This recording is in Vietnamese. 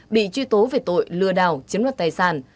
bị truy tố về tội lừa đảo chiếm đoạt tài sản